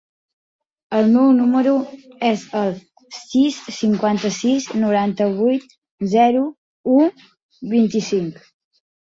El meu número es el sis, cinquanta-sis, noranta-vuit, zero, u, vint-i-cinc.